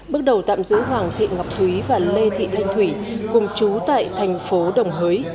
bước đầu tạm giữ hoàng thị ngọc thúy và lê thị thanh thủy cùng chú tại thành phố đồng hới